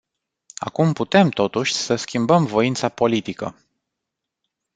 Acum putem, totuși, să schimbăm voința politică.